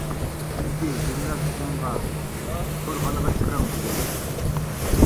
چۈنكى گۈلنار ئۇنىڭغا تورخانىغا چىقىڭ دېگەن ئىدى.